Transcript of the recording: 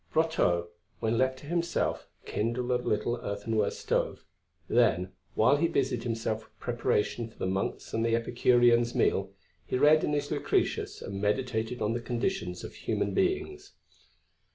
Brotteaux, when left to himself, kindled a little earthenware stove; then, while he busied himself with preparations for the Monk's and the Epicurean's meal, he read in his Lucretius and meditated on the conditions of human beings.